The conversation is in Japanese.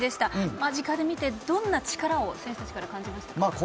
間近で見てどんな力を選手たちから感じましたか？